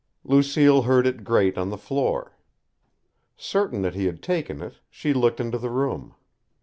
Lucille heard it grate on the floor. Certain that he had taken it, she looked into the room.